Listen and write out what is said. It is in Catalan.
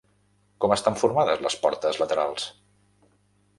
Com estan formades les portes laterals?